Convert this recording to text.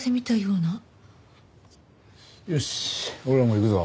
よし俺らも行くぞ。